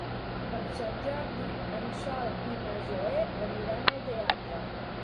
Per Sant Jordi en Sol i na Zoè aniran al teatre.